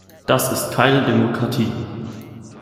Das ist keine Demokratie.